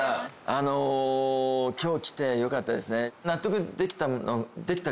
あの今日来てよかったですね。